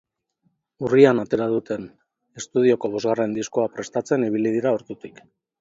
Urrian atera duten estudioko bosgarren diskoa prestatzen ibili dira ordutik.